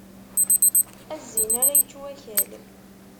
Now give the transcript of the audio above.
A zzin ara yečč wakal!